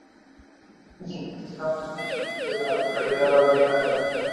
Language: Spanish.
Su cabecera municipal es la localidad homónima de Mama.